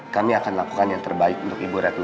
kami akan lakukan yang terbaik untuk ibu retno